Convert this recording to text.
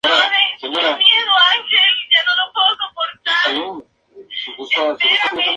En sus canciones mezclan ska con salsa, canciones tradicionales o rap.